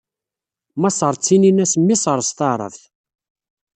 Maṣer ttinin-as Miṣr s taɛṛabt.